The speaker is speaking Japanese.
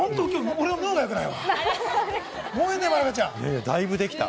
俺の「ル」がよくない。